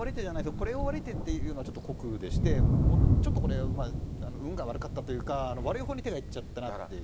これを悪い手と言うのは酷でして、ちょっとこれ、運が悪かったというか、悪い方に手がいっちゃったなっていう。